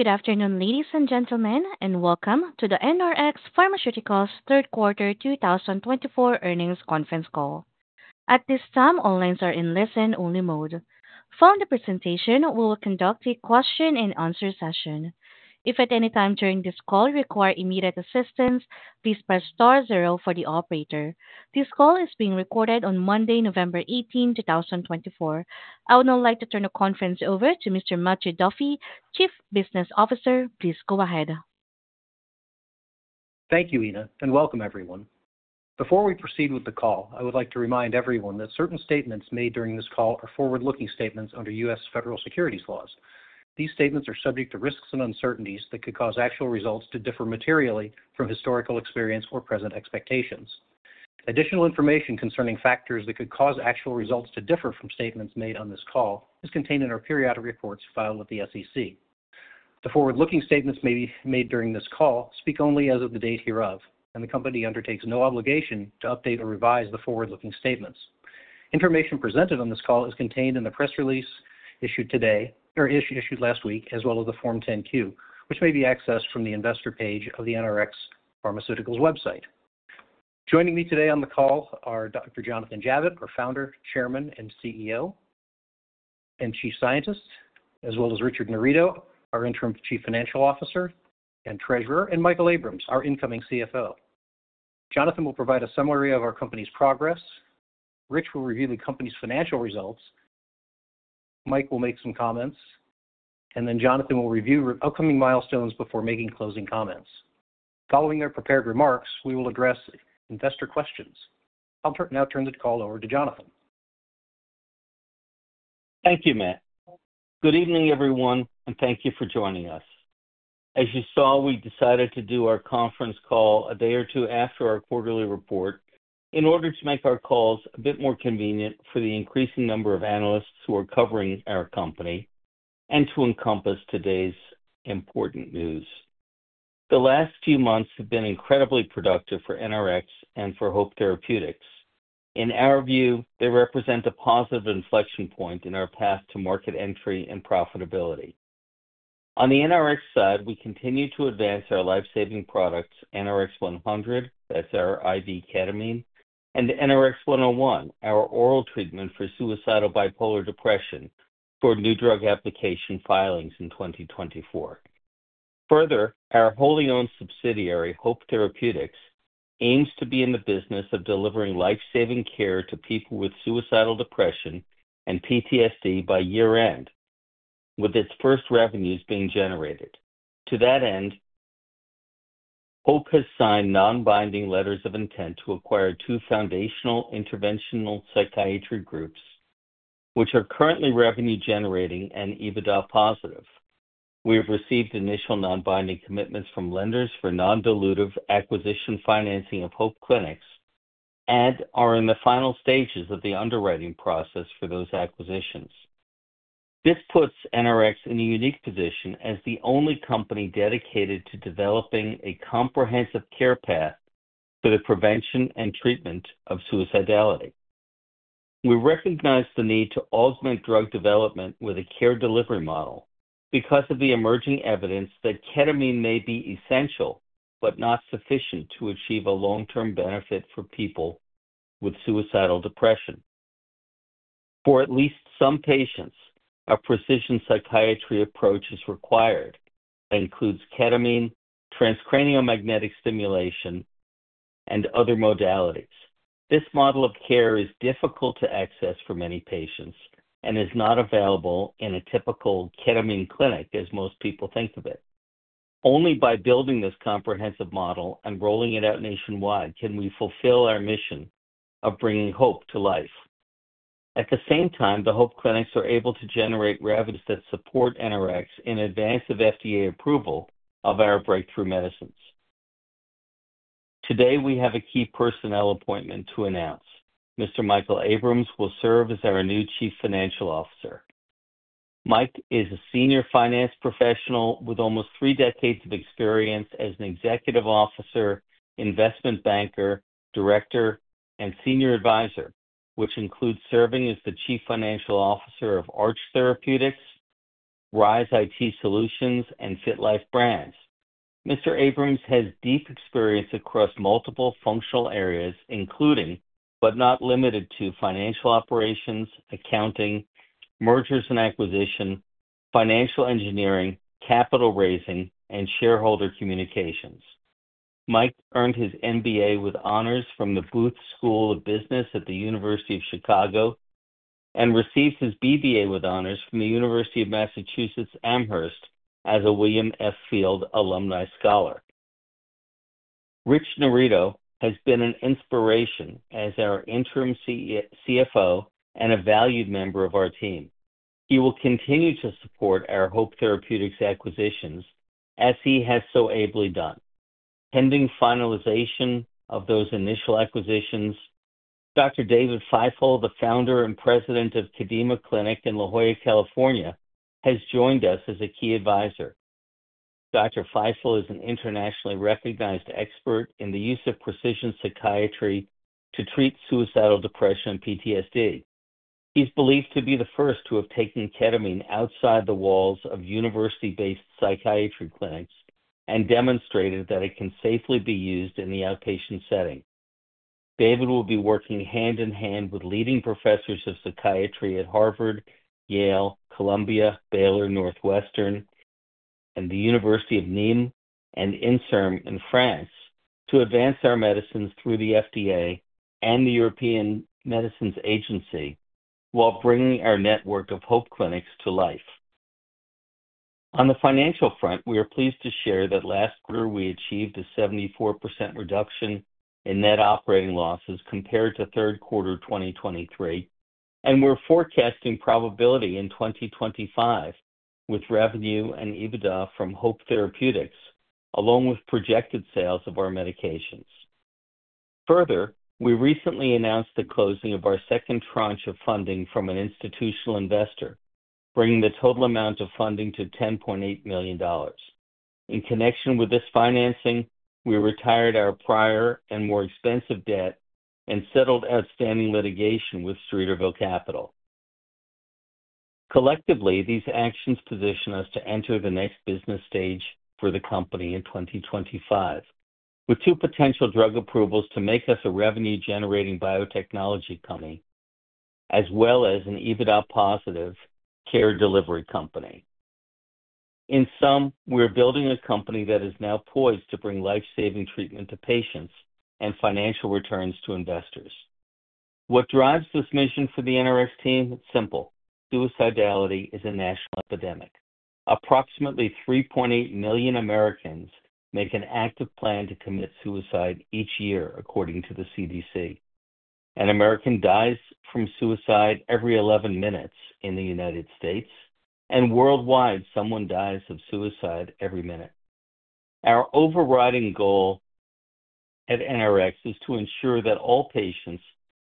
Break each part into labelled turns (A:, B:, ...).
A: Good afternoon, ladies and gentlemen, and welcome to the NRx Pharmaceuticals Q3 2024 earnings conference call. At this time, all lines are in listen-only mode. Following the presentation, we will conduct a question-and-answer session. If at any time during this call you require immediate assistance, please press star zero for the operator. This call is being recorded on Monday, November 18, 2024. I would now like to turn the conference over to Mr. Matthew Duffy, Chief Business Officer. Please go ahead.
B: Thank you, Ina, and welcome, everyone. Before we proceed with the call, I would like to remind everyone that certain statements made during this call are forward-looking statements under U.S. federal securities laws. These statements are subject to risks and uncertainties that could cause actual results to differ materially from historical experience or present expectations. Additional information concerning factors that could cause actual results to differ from statements made oyou n this call is contained in our periodic reports filed with the SEC. The forward-looking statements made during this call speak only as of the date hereof, and the company undertakes no obligation to update or revise the forward-looking statements. Information presented on this call is contained in the press release issued today or issued last week, as well as the Form 10-Q, which may be accessed from the investor page of the NRx Pharmaceuticals website. Joining me today on the call are Dr. Jonathan Javitt, our Founder, Chairman, and CEO, and Chief Scientist, as well as Richard Narido, our Interim Chief Financial Officer and Treasurer, and Michael Abrams, our incoming CFO. Jonathan will provide a summary of our company's progress. Rich will review the company's financial results. Mike will make some comments, and then Jonathan will review upcoming milestones before making closing comments. Following our prepared remarks, we will address investor questions. I'll now turn the call over to Jonathan.
C: Thank you, Matt. Good evening, everyone, and thank you for joining us. As you saw, we decided to do our conference call a day or two after our quarterly report in order to make our calls a bit more convenient for the increasing number of analysts who are covering our company and to encompass today's important news. The last few months have been incredibly productive for NRx and for Hope Therapeutics. In our view, they represent a positive inflection point in our path to market entry and profitability. On the NRx side, we continue to advance our lifesaving products, NRx-100, that's our IV ketamine, and NRx-101, our oral treatment for suicidal bipolar depression, toward new drug application filings in 2024. Further, our wholly-owned subsidiary, Hope Therapeutics, aims to be in the business of delivering lifesaving care to people with suicidal depression and PTSD by year-end, with its first revenues being generated. To that end, Hope has signed non-binding letters of intent to acquire two foundational interventional psychiatry groups, which are currently revenue-generating and EBITDA positive. We have received initial non-binding commitments from lenders for non-dilutive acquisition financing of Hope Clinics and are in the final stages of the underwriting process for those acquisitions. This puts NRx in a unique position as the only company dedicated to developing a comprehensive care path for the prevention and treatment of suicidality. We recognize the need to augment drug development with a care delivery model because of the emerging evidence that ketamine may be essential but not sufficient to achieve a long-term benefit for people with suicidal depression. For at least some patients, a precision psychiatry approach is required that includes ketamine, transcranial magnetic stimulation, and other modalities. This model of care is difficult to access for many patients and is not available in a typical ketamine clinic, as most people think of it. Only by building this comprehensive model and rolling it out nationwide can we fulfill our mission of bringing hope to life. At the same time, the Hope Clinics are able to generate revenues that support NRx in advance of FDA approval of our breakthrough medicines. Today, we have a key personnel appointment to announce. Mr. Michael Abrams will serve as our new Chief Financial Officer. Mike is a senior finance professional with almost three decades of experience as an executive officer, investment banker, director, and senior advisor, which includes serving as the chief financial officer of Arch Therapeutics, Rise IT Solutions, and FitLife Brands. Mr. Abrams has deep experience across multiple functional areas, including but not limited to financial operations, accounting, mergers and acquisitions, financial engineering, capital raising, and shareholder communications. Mike earned his MBA with honors from the Booth School of Business at the University of Chicago and received his BBA with honors from the University of Massachusetts Amherst as a William F. Field Alumni Scholar. Rich Narido has been an inspiration as our interim CFO and a valued member of our team. He will continue to support our Hope Therapeutics acquisitions, as he has so ably done. Pending finalization of those initial acquisitions, Dr. David Feifel, the founder and president of Kadima Neuropsychiatry Institute in La Jolla, California, has joined us as a key advisor. Dr. Feifel is an internationally recognized expert in the use of precision psychiatry to treat suicidal depression and PTSD. He's believed to be the first to have taken ketamine outside the walls of university-based psychiatry clinics and demonstrated that it can safely be used in the outpatient setting. David will be working hand in hand with leading professors of psychiatry at Harvard, Yale, Columbia, Baylor, Northwestern, and the University of Nîmes and INSERM in France to advance our medicines through the FDA and the European Medicines Agency while bringing our network of Hope Clinics to life. On the financial front, we are pleased to share that last quarter we achieved a 74% reduction in net operating losses compared to Q3 2023, and we're forecasting profitability in 2025 with revenue and EBITDA from Hope Therapeutics, along with projected sales of our medications. Further, we recently announced the closing of our second tranche of funding from an institutional investor, bringing the total amount of funding to $10.8 million. In connection with this financing, we retired our prior and more expensive debt and settled outstanding litigation with Streeterville Capital. Collectively, these actions position us to enter the next business stage for the company in 2025, with two potential drug approvals to make us a revenue-generating biotechnology company as well as an EBITDA positive care delivery company. In sum, we're building a company that is now poised to bring lifesaving treatment to patients and financial returns to investors. What drives this mission for the NRx team? Simple. Suicidality is a national epidemic. Approximately 3.8 million Americans make an active plan to commit suicide each year, according to the CDC. An American dies from suicide every 11 minutes in the United States, and worldwide, someone dies of suicide every minute. Our overriding goal at NRx is to ensure that all patients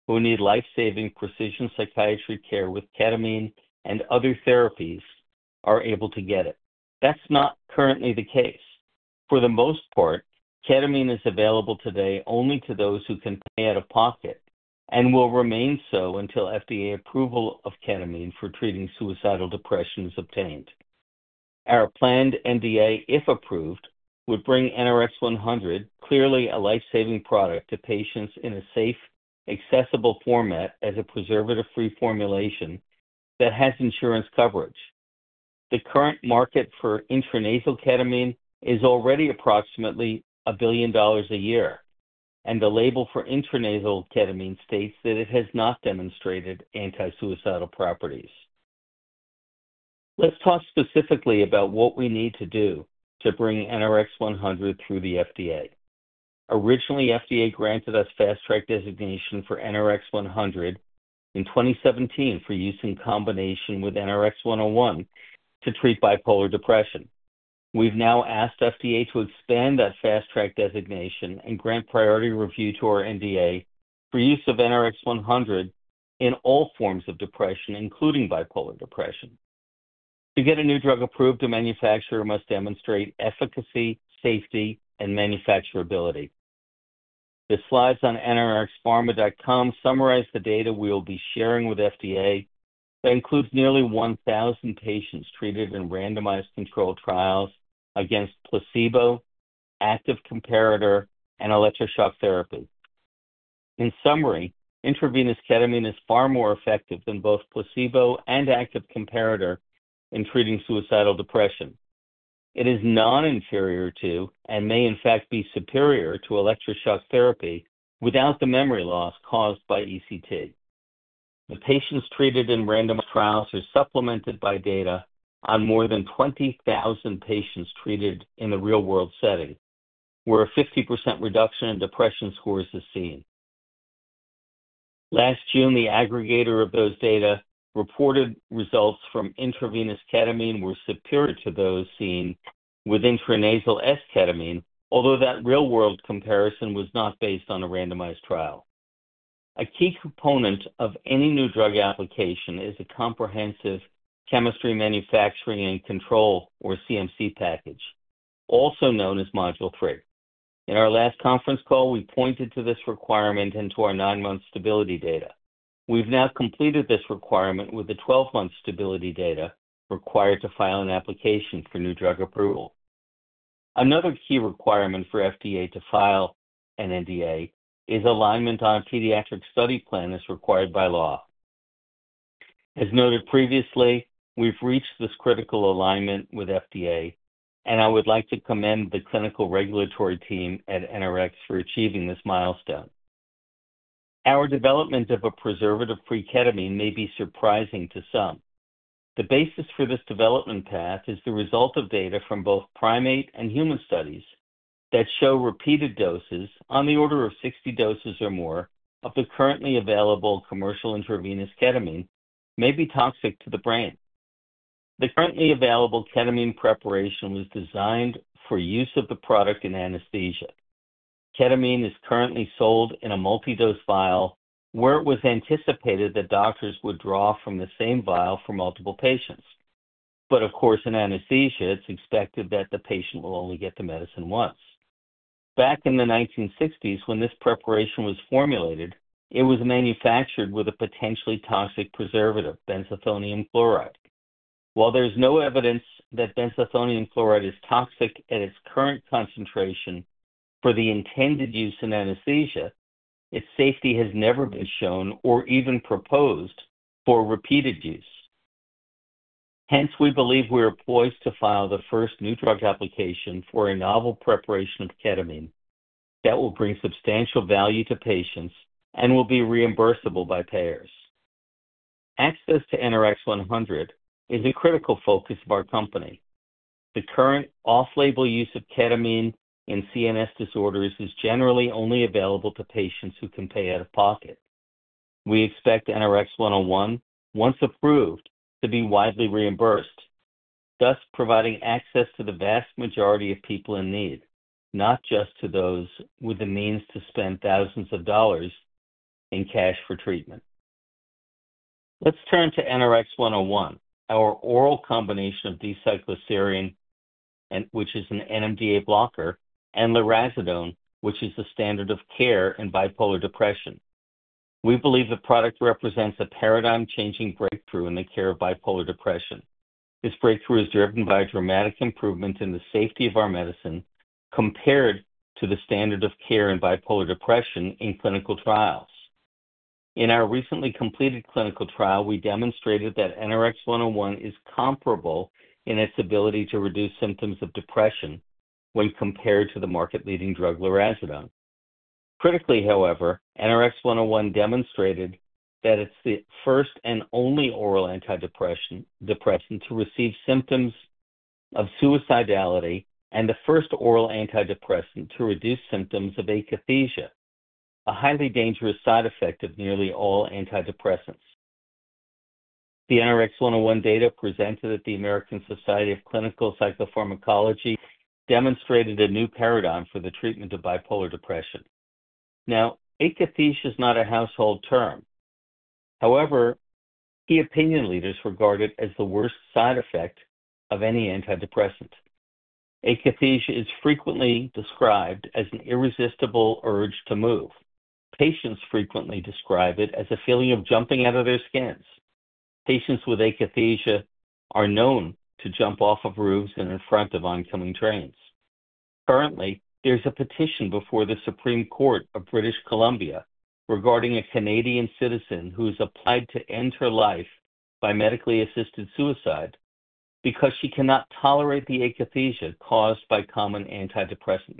C: who need lifesaving precision psychiatry care with ketamine and other therapies are able to get it. That's not currently the case. For the most part, ketamine is available today only to those who can pay out of pocket and will remain so until FDA approval of ketamine for treating suicidal depression is obtained. Our planned NDA, if approved, would bring NRx-100, clearly a lifesaving product, to patients in a safe, accessible format as a preservative-free formulation that has insurance coverage. The current market for intranasal ketamine is already approximately $1 billion a year, and the label for intranasal ketamine states that it has not demonstrated anti-suicidal properties. Let's talk specifically about what we need to do to bring NRx-100 through the FDA. Originally, FDA granted us fast-track designation for NRx-100 in 2017 for use in combination with NRx-101 to treat bipolar depression. We've now asked FDA to expand that fast-track designation and grant priority review to our NDA for use of NRx-100 in all forms of depression, including bipolar depression. To get a new drug approved, the manufacturer must demonstrate efficacy, safety, and manufacturability. The slides on nrxpharma.com summarize the data we'll be sharing with FDA that includes nearly 1,000 patients treated in randomized controlled trials against placebo, active comparator, and electroshock therapy. In summary, intravenous ketamine is far more effective than both placebo and active comparator in treating suicidal depression. It is not inferior to and may, in fact, be superior to electroshock therapy without the memory loss caused by ECT. The patients treated in randomized trials are supplemented by data on more than 20,000 patients treated in a real-world setting, where a 50% reduction in depression scores is seen. Last June, the aggregator of those data reported results from intravenous ketamine were superior to those seen with intranasal S-ketamine, although that real-world comparison was not based on a randomized trial. A key component of any new drug application is a comprehensive chemistry, manufacturing, and controls, or CMC, package, also known as Module 3. In our last conference call, we pointed to this requirement and to our nine-month stability data. We've now completed this requirement with the 12-month stability data required to file an application for new drug approval. Another key requirement for FDA to file an NDA is alignment on a pediatric study plan as required by law. As noted previously, we've reached this critical alignment with FDA, and I would like to commend the clinical regulatory team at NRx for achieving this milestone. Our development of a preservative-free ketamine may be surprising to some. The basis for this development path is the result of data from both primate and human studies that show repeated doses, on the order of 60 doses or more, of the currently available commercial intravenous ketamine may be toxic to the brain. The currently available ketamine preparation was designed for use of the product in anesthesia. Ketamine is currently sold in a multi-dose vial, where it was anticipated that doctors would draw from the same vial for multiple patients. But, of course, in anesthesia, it's expected that the patient will only get the medicine once. Back in the 1960s, when this preparation was formulated, it was manufactured with a potentially toxic preservative, benzethonium chloride. While there is no evidence that benzethonium chloride is toxic at its current concentration for the intended use in anesthesia, its safety has never been shown or even proposed for repeated use. Hence, we believe we are poised to file the first New Drug Application for a novel preparation of ketamine that will bring substantial value to patients and will be reimbursable by payers. Access to NRx-100 is a critical focus of our company. The current off-label use of ketamine in CNS disorders is generally only available to patients who can pay out of pocket. We expect NRx-101, once approved, to be widely reimbursed, thus providing access to the vast majority of people in need, not just to those with the means to spend thousands of dollars in cash for treatment. Let's turn to NRx-101, our oral combination of D-cycloserine, which is an NMDA blocker, and lurasidone, which is the standard of care in bipolar depression. We believe the product represents a paradigm-changing breakthrough in the care of bipolar depression. This breakthrough is driven by a dramatic improvement in the safety of our medicine compared to the standard of care in bipolar depression in clinical trials. In our recently completed clinical trial, we demonstrated that NRx-101 is comparable in its ability to reduce symptoms of depression when compared to the market-leading drug lurasidone. Critically, however, NRx-101 demonstrated that it's the first and only oral antidepressant to relieve symptoms of suicidality and the first oral antidepressant to reduce symptoms of akathisia, a highly dangerous side effect of nearly all antidepressants. The NRx-101 data presented at the American Society of Clinical Psychopharmacology demonstrated a new paradigm for the treatment of bipolar depression. Now, akathisia is not a household term. However, key opinion leaders regard it as the worst side effect of any antidepressant. Akathisia is frequently described as an irresistible urge to move. Patients frequently describe it as a feeling of jumping out of their skins. Patients with akathisia are known to jump off of roofs and in front of oncoming trains. Currently, there's a petition before the Supreme Court of British Columbia regarding a Canadian citizen who has applied to end her life by medically assisted suicide because she cannot tolerate the akathisia caused by common antidepressant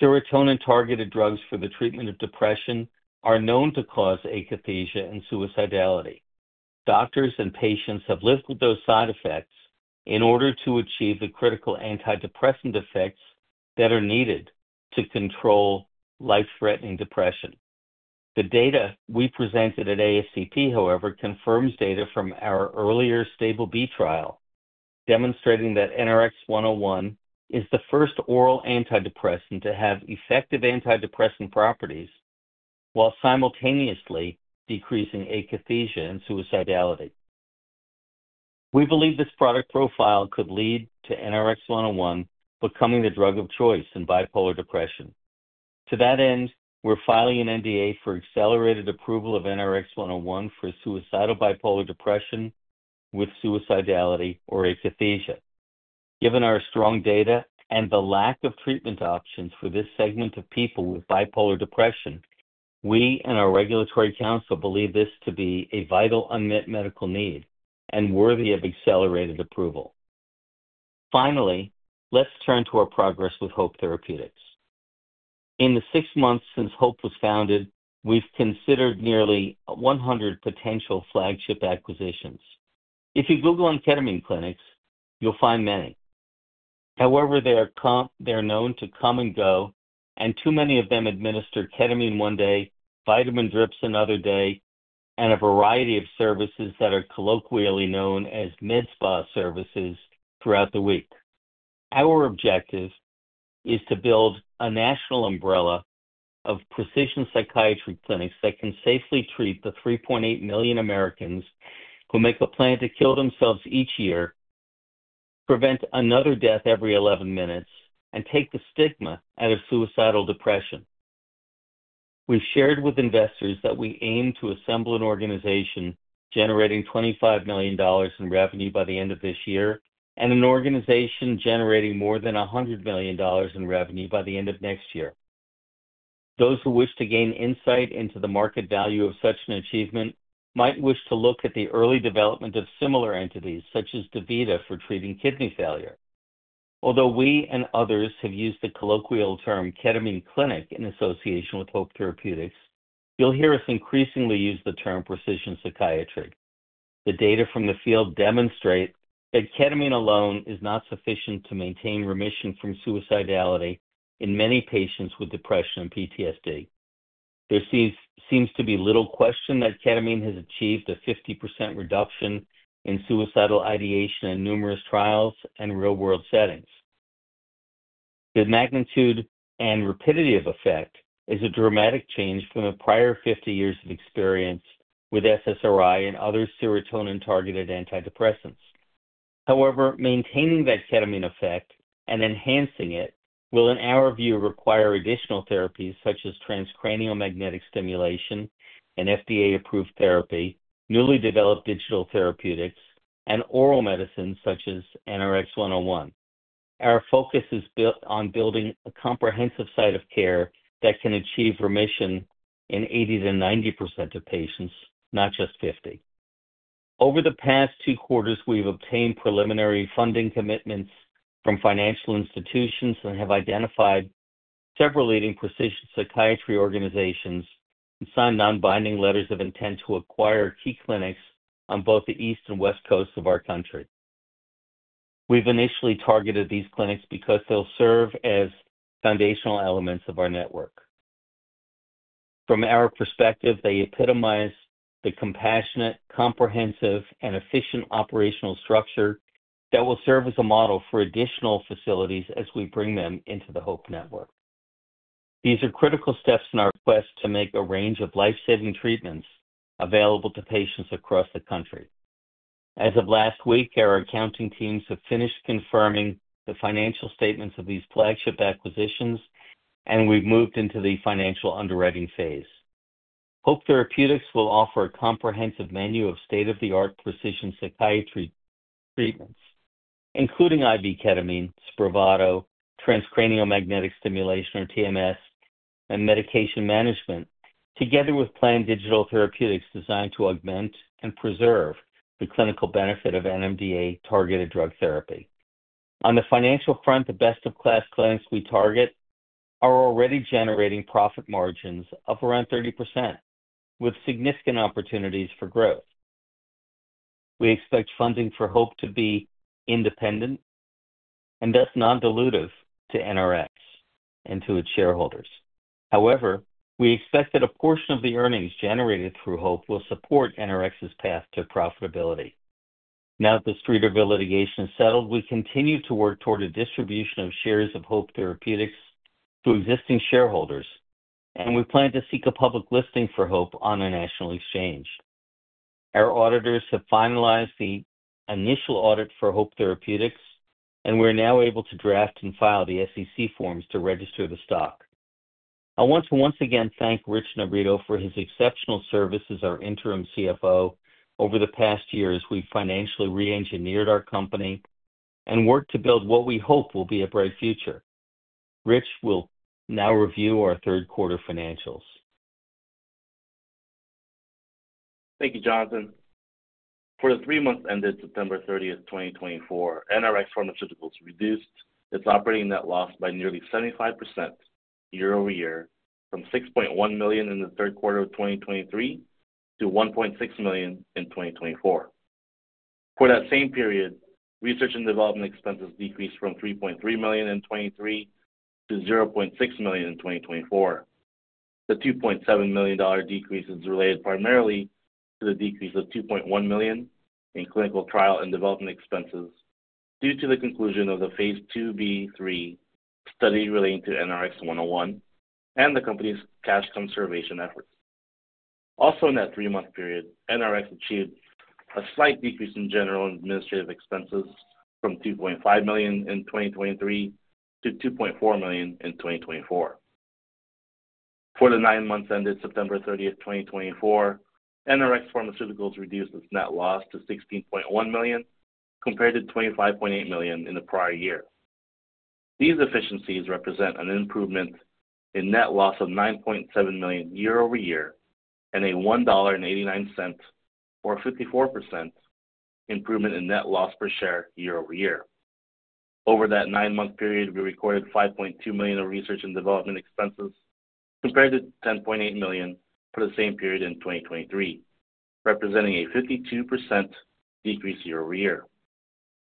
C: medication. Serotonin-targeted drugs for the treatment of depression are known to cause akathisia and suicidality. Doctors and patients have lived with those side effects in order to achieve the critical antidepressant effects that are needed to control life-threatening depression. The data we presented at ASCP, however, confirms data from our earlier stable B trial demonstrating that NRx-101 is the first oral antidepressant to have effective antidepressant properties while simultaneously decreasing akathisia and suicidality. We believe this product profile could lead to NRx-101 becoming the drug of choice in bipolar depression. To that end, we're filing an NDA for accelerated approval of NRx-101 for suicidal bipolar depression with suicidality or akathisia. Given our strong data and the lack of treatment options for this segment of people with bipolar depression, we and our regulatory council believe this to be a vital unmet medical need and worthy of accelerated approval. Finally, let's turn to our progress with Hope Therapeutics. In the six months since Hope was founded, we've considered nearly 100 potential flagship acquisitions. If you Google on ketamine clinics, you'll find many. However, they are known to come and go, and too many of them administer ketamine one day, vitamin drips another day, and a variety of services that are colloquially known as med spa services throughout the week. Our objective is to build a national umbrella of precision psychiatry clinics that can safely treat the 3.8 million Americans who make a plan to kill themselves each year, prevent another death every 11 minutes, and take the stigma out of suicidal depression. We've shared with investors that we aim to assemble an organization generating $25 million in revenue by the end of this year and an organization generating more than $100 million in revenue by the end of next year. Those who wish to gain insight into the market value of such an achievement might wish to look at the early development of similar entities, such as DaVita for treating kidney failure. Although we and others have used the colloquial term ketamine clinic in association with Hope Therapeutics, you'll hear us increasingly use the term precision psychiatry. The data from the field demonstrate that ketamine alone is not sufficient to maintain remission from suicidality in many patients with depression and PTSD. There seems to be little question that ketamine has achieved a 50% reduction in suicidal ideation in numerous trials and real-world settings. The magnitude and rapidity of effect is a dramatic change from the prior 50 years of experience with SSRI and other serotonin-targeted antidepressants. However, maintaining that ketamine effect and enhancing it will, in our view, require additional therapies such as transcranial magnetic stimulation and FDA-approved therapy, newly developed digital therapeutics, and oral medicines such as NRx-101. Our focus is built on building a comprehensive site of care that can achieve remission in 80%-90% of patients, not just 50%. Over the past two quarters, we've obtained preliminary funding commitments from financial institutions and have identified several leading precision psychiatry organizations and signed non-binding letters of intent to acquire key clinics on both the East Coast and West Coast of our country. We've initially targeted these clinics because they'll serve as foundational elements of our network. From our perspective, they epitomize the compassionate, comprehensive, and efficient operational structure that will serve as a model for additional facilities as we bring them into the Hope network. These are critical steps in our quest to make a range of lifesaving treatments available to patients across the country. As of last week, our accounting teams have finished confirming the financial statements of these flagship acquisitions, and we've moved into the financial underwriting phase. Hope Therapeutics will offer a comprehensive menu of state-of-the-art precision psychiatry treatments, including IV ketamine, Spravato, transcranial magnetic stimulation, or TMS, and medication management, together with planned digital therapeutics designed to augment and preserve the clinical benefit of NMDA-targeted drug therapy. On the financial front, the best-of-class clinics we target are already generating profit margins of around 30%, with significant opportunities for growth. We expect funding for Hope to be independent and thus non-dilutive to NRx and to its shareholders. However, we expect that a portion of the earnings generated through Hope will support NRx's path to profitability. Now that the Streeterville litigation is settled, we continue to work toward a distribution of shares of Hope Therapeutics to existing shareholders, and we plan to seek a public listing for Hope on a national exchange. Our auditors have finalized the initial audit for Hope Therapeutics, and we're now able to draft and file the SEC forms to register the stock. I want to once again thank Richard Narido for his exceptional service as our interim CFO over the past year as we financially re-engineered our company and worked to build what we hope will be a bright future. Richard Narido will now review our third-quarter financials.
D: Thank you, Jonathan.For the three months ended September 30, 2024, NRx Pharmaceuticals reduced its operating net loss by nearly 75% year-over-year, from $6.1 million in the third quarter of 2023 to $1.6 million in 2024. For that same period, research and development expenses decreased from $3.3 million in 2023 to $0.6 million in 2024. The $2.7 million decrease is related primarily to the decrease of $2.1 million in clinical trial and development expenses due to the conclusion of the Phase 2b/3 study relating to NRx-101 and the company's cash conservation efforts. Also, in that three-month period, NRx achieved a slight decrease in general and administrative expenses from $2.5 million in 2023 to $2.4 million in 2024. For the nine months ended September 30, 2024, NRx Pharmaceuticals reduced its net loss to $16.1 million compared to $25.8 million in the prior year. These efficiencies represent an improvement in net loss of $9.7 million year-over-year and a $1.89, or 54%, improvement in net loss per share year-over-year. Over that nine-month period, we recorded $5.2 million in research and development expenses compared to $10.8 million for the same period in 2023, representing a 52% decrease year-over-year.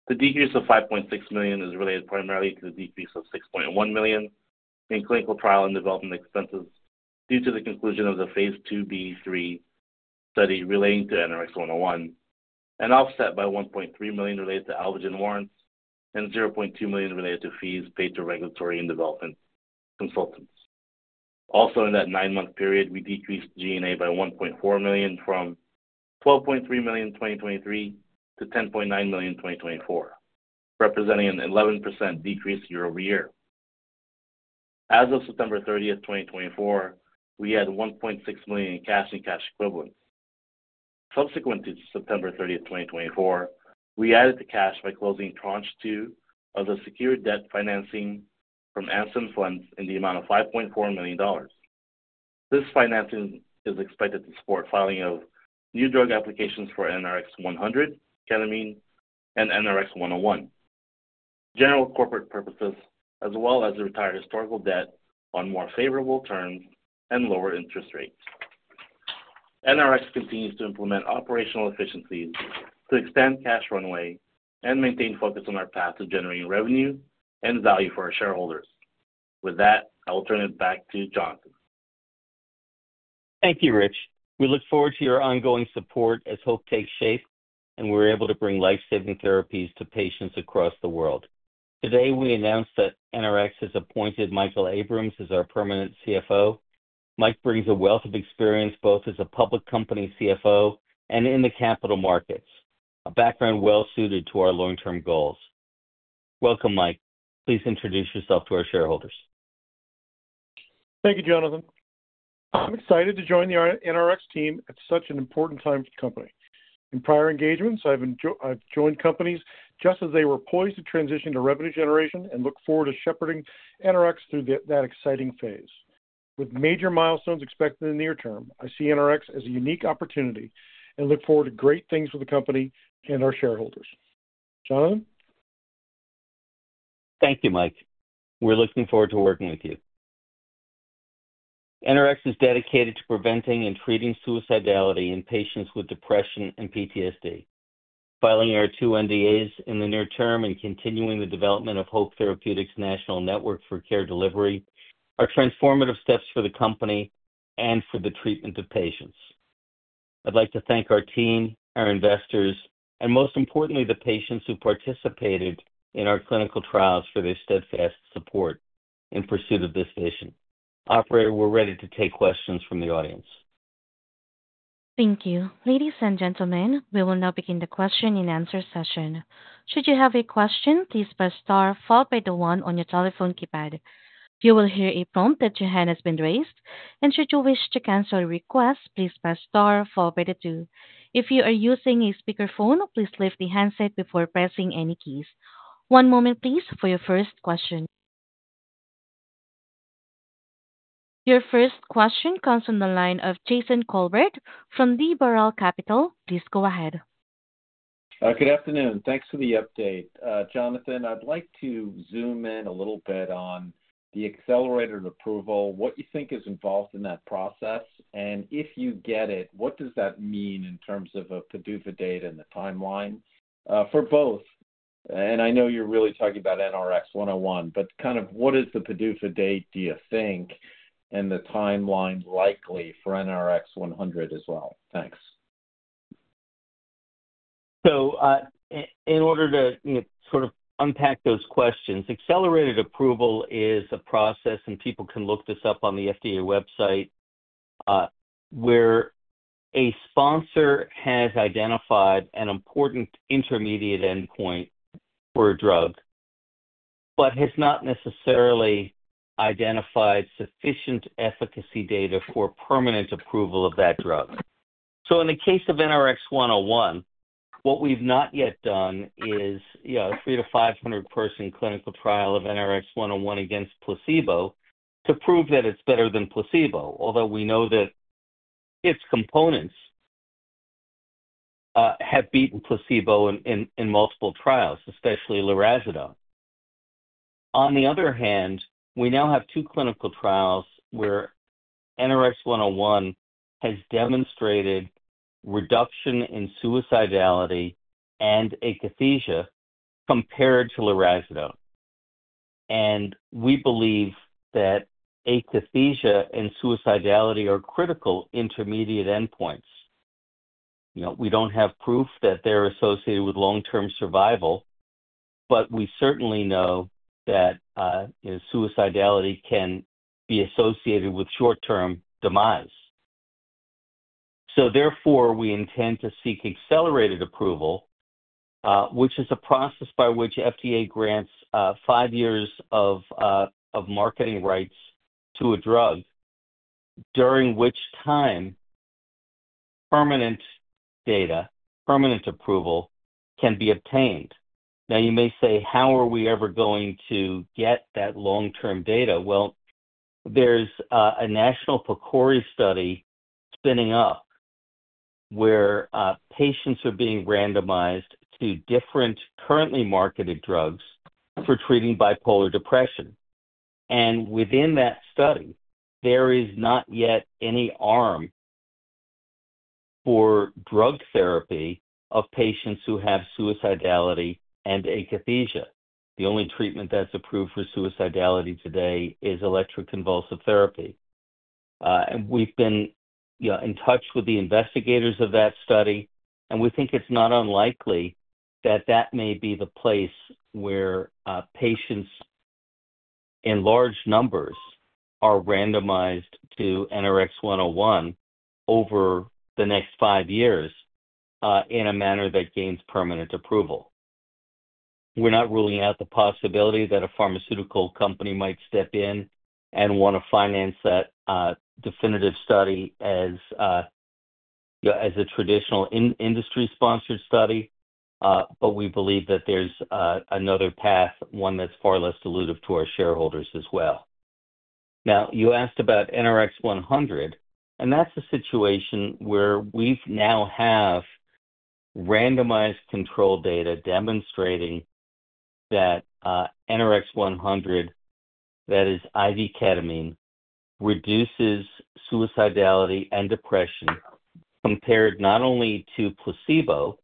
D: The decrease of $5.6 million is related primarily to the decrease of $6.1 million in clinical trial and development expenses due to the conclusion of the phase 2b/3 study relating to NRx-101, an offset by $1.3 million related to Alvogen warrants and $0.2 million related to fees paid to regulatory and development consultants. Also, in that nine-month period, we decreased G&A by $1.4 million from $12.3 million in 2023 to $10.9 million in 2024, representing an 11% decrease year-over-year. As of September 30, 2024, we had $1.6 million in cash and cash equivalents. Subsequent to September 30, 2024, we added to cash by closing tranche two of the secured debt financing from Anson Funds in the amount of $5.4 million. This financing is expected to support filing of new drug applications for NRx-100, ketamine, and NRx-101, general corporate purposes, as well as the retired historical debt on more favorable terms and lower interest rates. NRx continues to implement operational efficiencies to extend cash runway and maintain focus on our path to generating revenue and value for our shareholders. With that, I will turn it back to Jonathan.
C: Thank you, Rich. We look forward to your ongoing support as Hope takes shape and we're able to bring lifesaving therapies to patients across the world. Today, we announced that NRx has appointed Michael Abrams as our permanent CFO. Mike brings a wealth of experience both as a public company CFO and in the capital markets, a background well-suited to our long-term goals. Welcome, Mike. Please introduce yourself to our shareholders.
E: Thank you, Jonathan. I'm excited to join the NRx team at such an important time for the company. In prior engagements, I've joined companies just as they were poised to transition to revenue generation and look forward to shepherding NRx through that exciting phase. With major milestones expected in the near term, I see NRx as a unique opportunity and look forward to great things for the company and our shareholders. Jonathan?
C: Thank you, Mike. We're looking forward to working with you. NRx is dedicated to preventing and treating suicidality in patients with depression and PTSD. Filing our two NDAs in the near term and continuing the development of Hope Therapeutics' national network for care delivery are transformative steps for the company and for the treatment of patients. I'd like to thank our team, our investors, and most importantly, the patients who participated in our clinical trials for their steadfast support in pursuit of this vision. Operator, we're ready to take questions from the audience.
A: Thank you. Ladies and gentlemen, we will now begin the question-and-answer session. Should you have a question, please press star followed by the one on your telephone keypad. You will hear a prompt that your hand has been raised, and should you wish to cancel a request, please press star followed by the two. If you are using a speakerphone, please lift the handset before pressing any keys. One moment, please, for your first question. Your first question comes from the line of Jason Kolbert from Ladenburg Thalmann. Please go ahead.
F: Good afternoon. Thanks for the update. Jonathan, I'd like to zoom in a little bit on the accelerated approval, what you think is involved in that process, and if you get it, what does that mean in terms of a PDUFA date and the timeline for both? And I know you're really talking about NRx-101, but kind of what is the PDUFA date, do you think, and the timeline likely for NRx-100 as well? Thanks.
C: So in order to sort of unpack those questions, accelerated approval is a process, and people can look this up on the FDA website, where a sponsor has identified an important intermediate endpoint for a drug but has not necessarily identified sufficient efficacy data for permanent approval of that drug. So in the case of NRx-101, what we've not yet done is a 300- to 500-person clinical trial of NRx-101 against placebo to prove that it's better than placebo, although we know that its components have beaten placebo in multiple trials, especially lurasidone. On the other hand, we now have two clinical trials where NRx-101 has demonstrated reduction in suicidality and akathisia compared to lurasidone. And we believe that akathisia and suicidality are critical intermediate endpoints. We don't have proof that they're associated with long-term survival, but we certainly know that suicidality can be associated with short-term demise. So therefore, we intend to seek accelerated approval, which is a process by which FDA grants five years of marketing rights to a drug, during which time permanent data, permanent approval, can be obtained. Now, you may say, "How are we ever going to get that long-term data?" Well, there's a national PCORI study spinning up where patients are being randomized to different currently marketed drugs for treating bipolar depression. And within that study, there is not yet any arm for drug therapy of patients who have suicidality and akathisia. The only treatment that's approved for suicidality today is electroconvulsive therapy. And we've been in touch with the investigators of that study, and we think it's not unlikely that that may be the place where patients in large numbers are randomized to NRx-101 over the next five years in a manner that gains permanent approval. We're not ruling out the possibility that a pharmaceutical company might step in and want to finance that definitive study as a traditional industry-sponsored study, but we believe that there's another path, one that's far less dilutive to our shareholders as well. Now, you asked about NRx-100, and that's a situation where we now have randomized control data demonstrating that NRx-100, that is IV ketamine, reduces suicidality and depression compared not only to placebo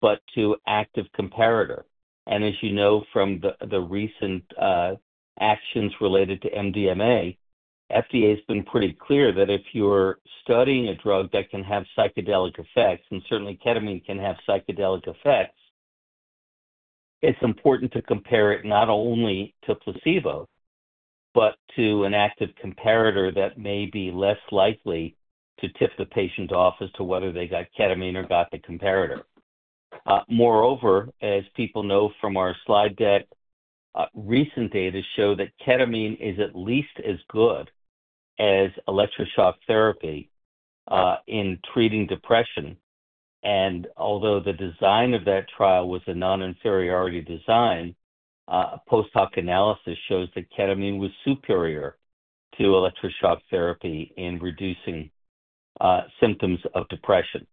C: but to active comparator. And as you know from the recent actions related to MDMA, FDA has been pretty clear that if you're studying a drug that can have psychedelic effects, and certainly ketamine can have psychedelic effects, it's important to compare it not only to placebo but to an active comparator that may be less likely to tip the patient off as to whether they got ketamine or got the comparator. Moreover, as people know from our slide deck, recent data show that ketamine is at least as good as electroshock therapy in treating depression, and although the design of that trial was a non-inferiority design, post-hoc analysis shows that ketamine was superior to electroshock therapy in reducing symptoms of depression.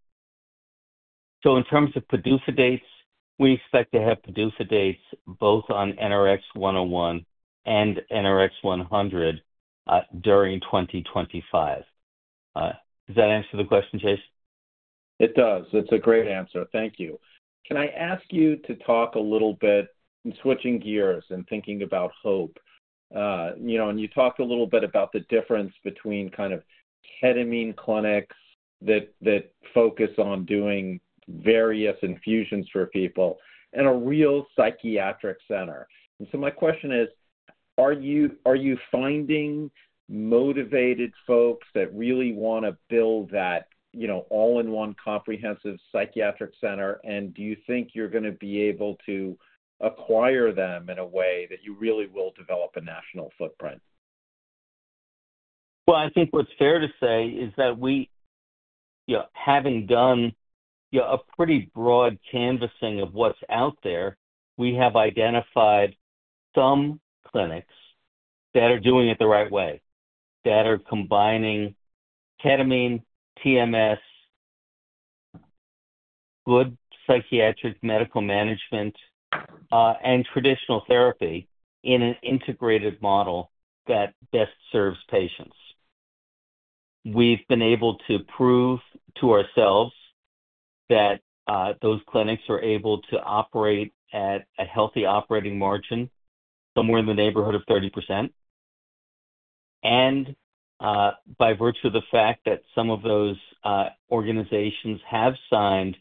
C: So in terms of PDUFA dates, we expect to have PDUFA dates both on NRx-101 and NRx-100 during 2025. Does that answer the question, Jason?
F: It does. It's a great answer. Thank you. Can I ask you to talk a little bit in switching gears and thinking about hope? And you talked a little bit about the difference between kind of ketamine clinics that focus on doing various infusions for people and a real psychiatric center. My question is, are you finding motivated folks that really want to build that all-in-one comprehensive psychiatric center, and do you think you're going to be able to acquire them in a way that you really will develop a national footprint?
C: I think what's fair to say is that, having done a pretty broad canvassing of what's out there, we have identified some clinics that are doing it the right way, that are combining ketamine, TMS, good psychiatric medical management, and traditional therapy in an integrated model that best serves patients. We've been able to prove to ourselves that those clinics are able to operate at a healthy operating margin, somewhere in the neighborhood of 30%. By virtue of the fact that some of those organizations have signed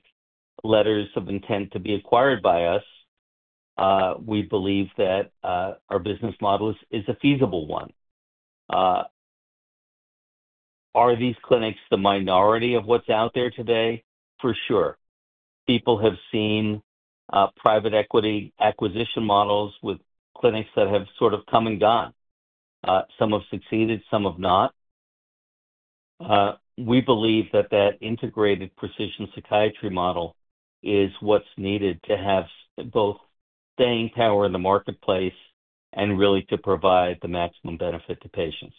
C: letters of intent to be acquired by us, we believe that our business model is a feasible one. Are these clinics the minority of what's out there today?
F: For sure.
C: People have seen private equity acquisition models with clinics that have sort of come and gone. Some have succeeded, some have not. We believe that that integrated precision psychiatry model is what's needed to have both staying power in the marketplace and really to provide the maximum benefit to patients.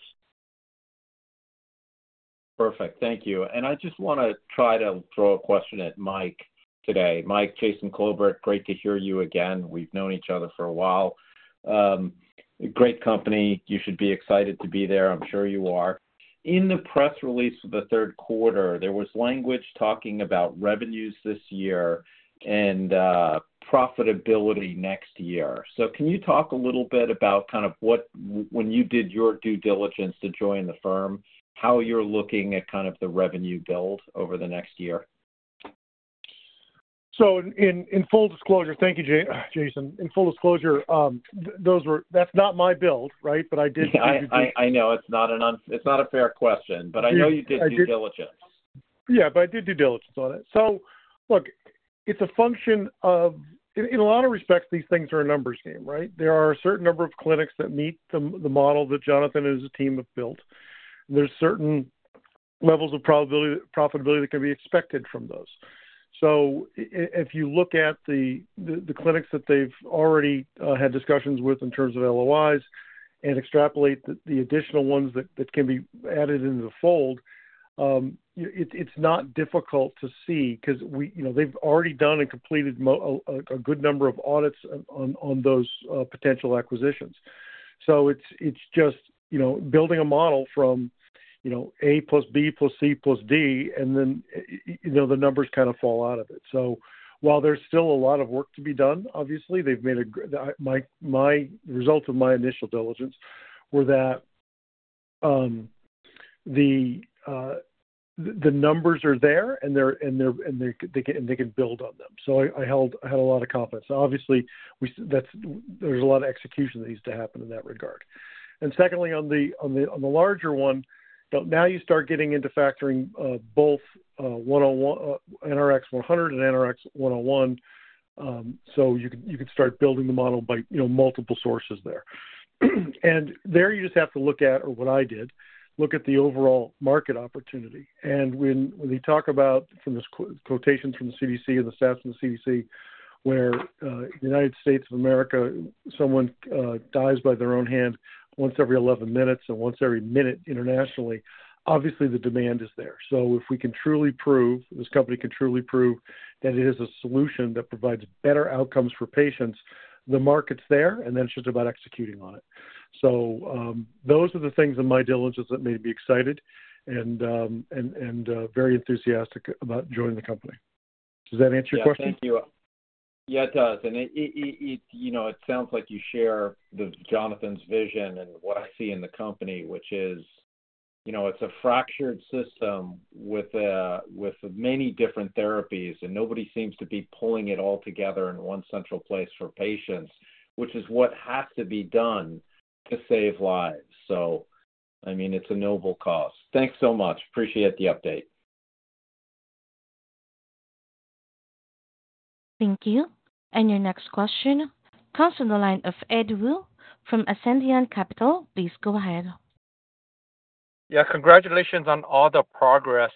F: Perfect. Thank you. And I just want to try to throw a question at Mike today. Mike, Jason Kolbert, great to hear you again. We've known each other for a while. Great company. You should be excited to be there. I'm sure you are. In the press release for the third quarter, there was language talking about revenues this year and profitability next year. So can you talk a little bit about kind of when you did your due diligence to join the firm, how you're looking at kind of the revenue build over the next year?
E: So in full disclosure, thank you, Jason. In full disclosure, that's not my build, right?
F: But I did. Yeah. I know. It's not a fair question. But I know you did due diligence.
E: Yeah. But I did due diligence on it. So look, it's a function of in a lot of respects, these things are a numbers game, right? There are a certain number of clinics that meet the model that Jonathan and his team have built. There's certain levels of profitability that can be expected from those. If you look at the clinics that they've already had discussions with in terms of LOIs and extrapolate the additional ones that can be added into the fold, it's not difficult to see because they've already done and completed a good number of audits on those potential acquisitions. It's just building a model from A plus B plus C plus D, and then the numbers kind of fall out of it. While there's still a lot of work to be done, obviously, the result of my initial diligence was that the numbers are there and they can build on them. I had a lot of confidence. Obviously, there's a lot of execution that needs to happen in that regard. And secondly, on the larger one, now you start getting into factoring both NRx-100 and NRx-101, so you can start building the model by multiple sources there. And there you just have to look at, or what I did, look at the overall market opportunity. And when they talk about from this quotation from the CDC and the stats from the CDC, where the United States of America, someone dies by their own hand once every 11 minutes and once every minute internationally, obviously, the demand is there. So if we can truly prove, this company can truly prove that it is a solution that provides better outcomes for patients, the market's there, and then it's just about executing on it. So those are the things in my diligence that made me excited and very enthusiastic about joining the company. Does that answer your question?
F: Yeah. Thank you. Yeah, it does. And it sounds like you share Jonathan's vision and what I see in the company, which is it's a fractured system with many different therapies, and nobody seems to be pulling it all together in one central place for patients, which is what has to be done to save lives. So I mean, it's a noble cause. Thanks so much. Appreciate the update.
A: Thank you. And your next question comes from the line of Ed Woo from Ascendiant Capital. Please go ahead.
G: Yeah. Congratulations on all the progress.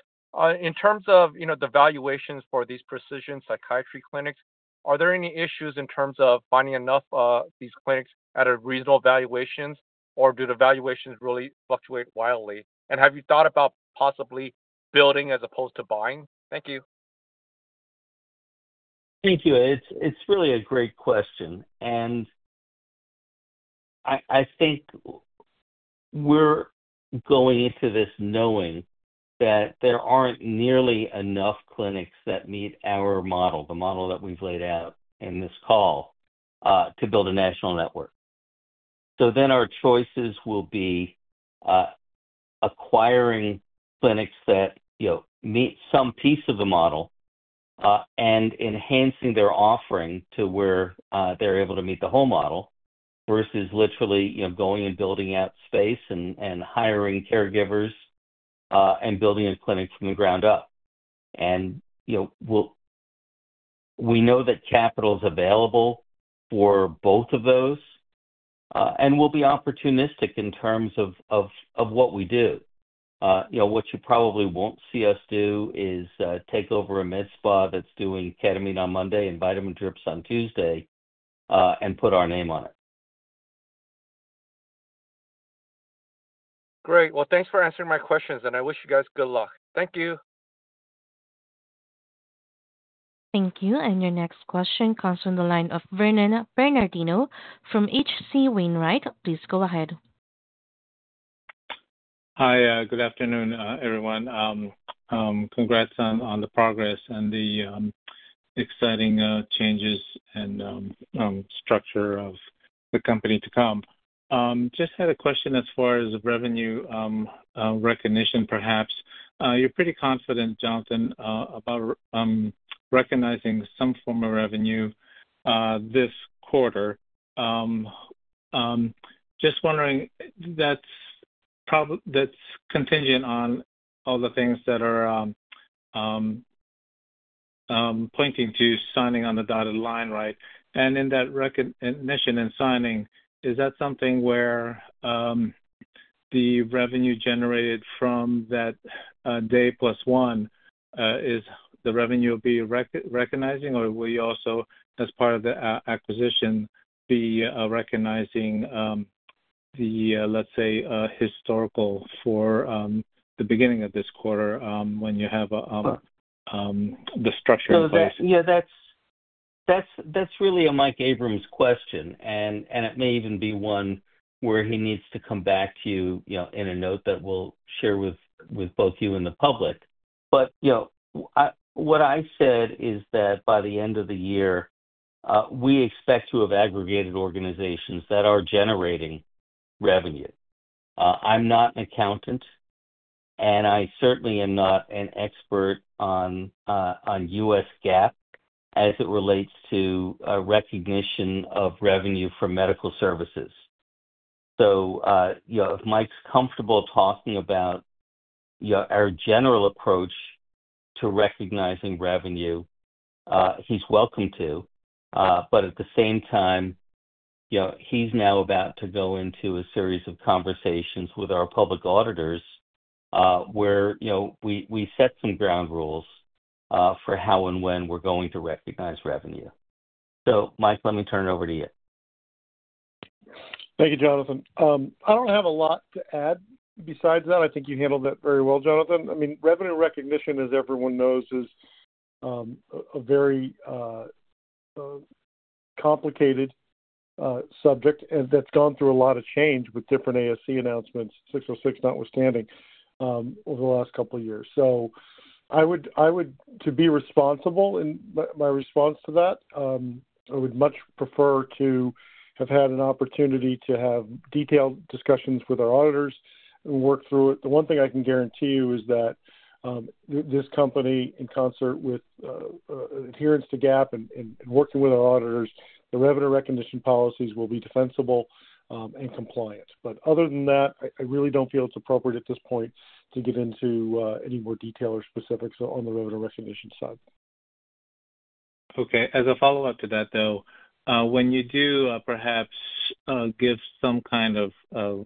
G: In terms of the valuations for these precision psychiatry clinics, are there any issues in terms of finding enough of these clinics at reasonable valuations, or do the valuations really fluctuate wildly? And have you thought about possibly building as opposed to buying? Thank you.
C: Thank you. It's really a great question. And I think we're going into this knowing that there aren't nearly enough clinics that meet our model, the model that we've laid out in this call, to build a national network. So then our choices will be acquiring clinics that meet some piece of the model and enhancing their offering to where they're able to meet the whole model versus literally going and building out space and hiring caregivers and building a clinic from the ground up. And we know that capital is available for both of those, and we'll be opportunistic in terms of what we do. What you probably won't see us do is take over a med spa that's doing ketamine on Monday and vitamin drips on Tuesday and put our name on it.
G: Great. Well, thanks for answering my questions, and I wish you guys good luck. Thank you.
A: Thank you. And your next question comes from the line of Vernon Bernardino from H.C. Wainwright. Please go ahead.
H: Hi. Good afternoon, everyone. Congrats on the progress and the exciting changes and structure of the company to come. Just had a question as far as revenue recognition, perhaps. You're pretty confident, Jonathan, about recognizing some form of revenue this quarter. Just wondering, that's contingent on all the things that are pointing to signing on the dotted line, right? And in that recognition and signing, is that something where the revenue generated from that day plus one is the revenue will be recognizing, or will you also, as part of the acquisition, be recognizing the, let's say, historical for the beginning of this quarter when you have the structure in place?
C: Yeah. That's really a Mike Abrams question, and it may even be one where he needs to come back to you in a note that we'll share with both you and the public. But what I said is that by the end of the year, we expect to have aggregated organizations that are generating revenue. I'm not an accountant, and I certainly am not an expert on U.S. GAAP as it relates to recognition of revenue for medical services. So if Mike's comfortable talking about our general approach to recognizing revenue, he's welcome to. But at the same time, he's now about to go into a series of conversations with our public auditors where we set some ground rules for how and when we're going to recognize revenue. So Mike, let me turn it over to you.
E: Thank you, Jonathan. I don't have a lot to add besides that. I think you handled that very well, Jonathan. I mean, revenue recognition, as everyone knows, is a very complicated subject, and that's gone through a lot of change with different ASC 606 announcements, notwithstanding, over the last couple of years. So I would, to be responsible in my response to that, I would much prefer to have had an opportunity to have detailed discussions with our auditors and work through it. The one thing I can guarantee you is that this company, in concert with adherence to GAAP and working with our auditors, the revenue recognition policies will be defensible and compliant. But other than that, I really don't feel it's appropriate at this point to get into any more detail or specifics on the revenue recognition side.
H: Okay. As a follow-up to that, though, when you do perhaps give some kind of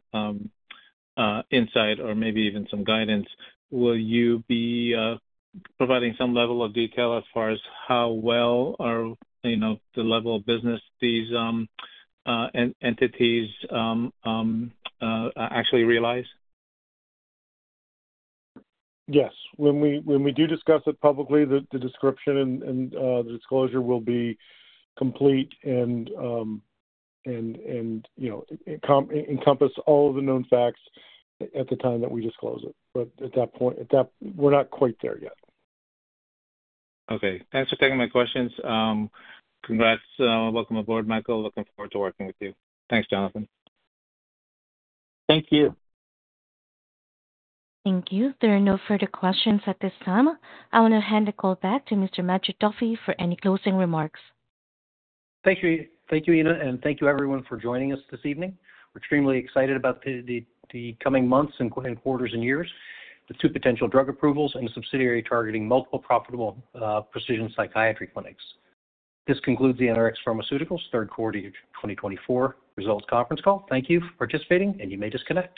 H: insight or maybe even some guidance, will you be providing some level of detail as far as how well or the level of business these entities actually realize?
E: Yes. When we do discuss it publicly, the description and the disclosure will be complete and encompass all of the known facts at the time that we disclose it. But at that point, we're not quite there yet.
H: Okay. Thanks for taking my questions. Congrats. Welcome aboard, Michael. Looking forward to working with you. Thanks, Jonathan.
C: Thank you.
A: Thank you. There are no further questions at this time. I want to hand the call back to Mr. Matthew Duffy for any closing remarks.
B: Thank you, Ina, and thank you, everyone, for joining us this evening. We're extremely excited about the coming months and quarters and years, the two potential drug approvals and a subsidiary targeting multiple profitable precision psychiatry clinics. This concludes the NRx Pharmaceuticals third quarter 2024 results conference call. Thank you for participating, and you may disconnect.